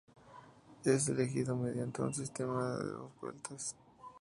Es elegido mediante un sistema de dos vueltas.